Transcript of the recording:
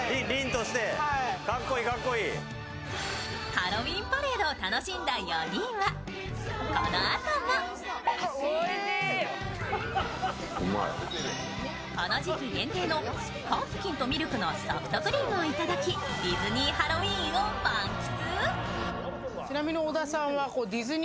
ハロウィーンパレードを楽しんだ４人はこのあともこの時期限定のパンプキンとミルクのソフトクリームをいただきディズニー・ハロウィーンを満喫。